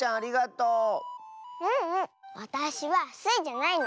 ううん。わたしはスイじゃないの。